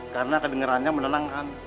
karena kedengerannya menenangkan